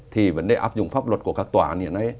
thì vấn đề áp dụng pháp luật của các tòa án hiện nay